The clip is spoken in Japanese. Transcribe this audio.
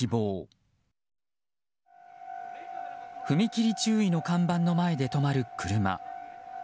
踏切注意の看板の前で止まる車。